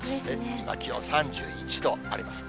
今、気温３１度あります。